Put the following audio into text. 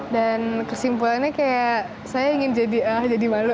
dan kesimpulannya kayak saya ingin jadi ah jadi malu